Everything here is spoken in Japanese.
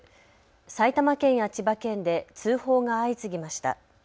埼玉県や千葉県で通報が相次ぎました。